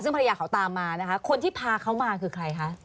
ซึ่งภรรยาเขาตามมานะคะคนที่พาเขามาคือใครคะ